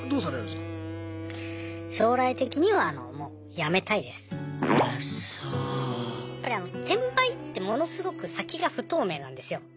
やっぱり転売ってものすごく先が不透明なんですよ。